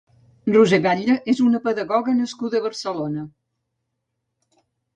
Roser Batlle és una pedagoga nascuda a Barcelona.